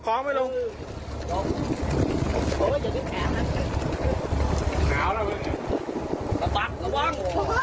ระวังระวัง